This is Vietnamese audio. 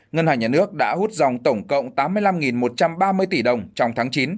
ngân hàng nhà nước đã hút dòng tổng cộng tám mươi năm một trăm ba mươi tỷ đồng trong tháng chín